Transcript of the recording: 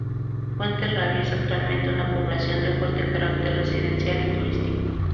Fuenterrabía es actualmente una población de fuerte carácter residencial y turístico.